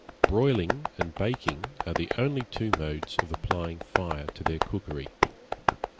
Broiling and baking are the only two modes of applying fire to their cookery.